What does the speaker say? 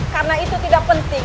karena itu tidak penting